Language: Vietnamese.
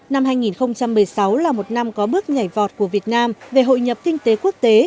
năm hai nghìn một mươi sáu là một năm có bước nhảy vọt của việt nam về hội nhập kinh tế quốc tế